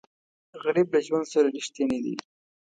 غریب له ژوند سره رښتینی دی